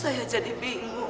kebetulan kamu bu terus youtubers